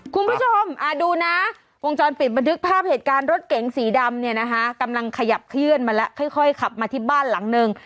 คุณผู้ชมดูนะวงจรปิดบันทึกภาพเหตุการณ์รถเก๋งสีดำเนี่ยนะคะกำลังขยับเคลื่อนมาแล้วค่อยขับมาที่บ้านหลังนึง